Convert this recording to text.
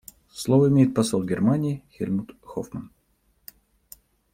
Слово имеет посол Германии Хельмут Хоффман.